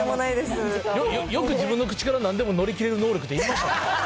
よく自分の口からなんでも乗り切れる能力って言いましたね。